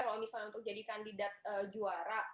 kalau misalnya untuk jadi kandidat juara